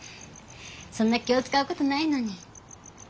そんな気を遣うことないのに。